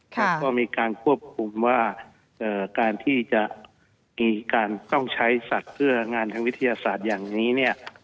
แล้วก็มีการควบคุมว่าการที่จะมีการต้องใช้สัตว์เพื่องานทางวิทยาศาสตร์อย่างนี้เนี่ย